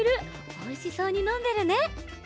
おいしそうにのんでるね！